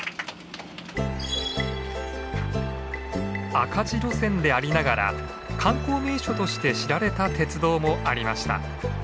赤字路線でありながら観光名所として知られた鉄道もありました。